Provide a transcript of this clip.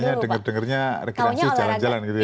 biasanya dengarnya rekreasi jalan jalan gitu ya